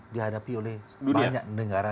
dihadapi oleh banyak negara